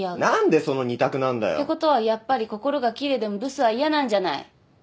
何でその２択なんだよ！ってことはやっぱり心が奇麗でもブスは嫌なんじゃない。